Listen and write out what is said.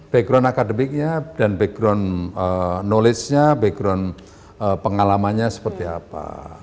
background akademiknya dan background knowledge nya background pengalamannya seperti apa